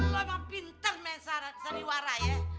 lo emang pintar main saran seriwara ye